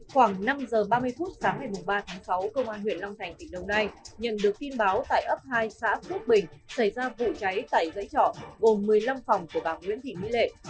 khoảng năm h ba mươi phút sáng ngày ba tháng sáu công an huyện long thành tỉnh đông nai nhận được tin báo tại ấp hai xã phước bình xảy ra vụ cháy tẩy giấy trỏ gồm một mươi năm phòng của bà nguyễn thị my lệ